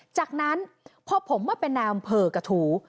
จากนั้นพอผมมาเป็นนายอำเภอกระทู